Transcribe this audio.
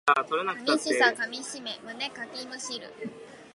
寂しさかみしめ胸かきむしる